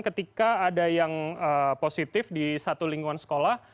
ketika ada yang positif di satu lingkungan sekolah